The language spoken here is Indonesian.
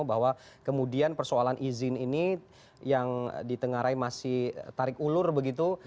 bahwa kemudian persoalan izin ini yang ditengarai masih tarik ulur begitu